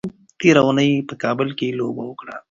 موږ تېره اونۍ په کابل کې لوبه وکړه.